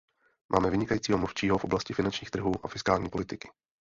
Máme vynikajícího mluvčího v oblasti finančních trhů a fiskální politiky.